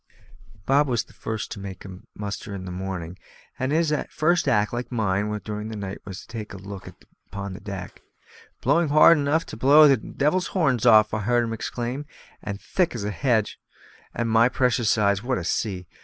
Bob was the first to make a muster in the morning; and his first act, like mine during the night, was to take a look out upon deck. "Blowing hard enough to blow the devil's horns off," I heard him exclaim, "and as thick as a hedge. And, my precious eyes! what a sea!